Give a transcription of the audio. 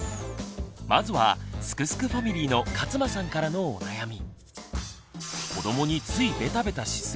まずはすくすくファミリーの勝間さんからのお悩み。